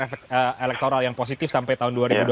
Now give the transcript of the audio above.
efek elektoral yang positif sampai tahun